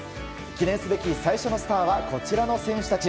記念すべき最初のスターはこちらの選手たち。